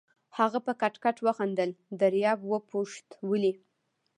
هغه په کټ کټ وخندل، دریاب وپوښت: ولې؟